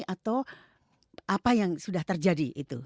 atau apa yang sudah terjadi